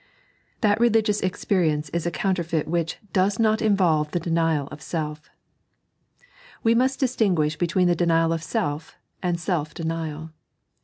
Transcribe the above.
That Keligious Experience is a Counteifeit which dobs MOT Ikvoltz THK Denul of Self. We must dis tinguish between the denial of self and self denial.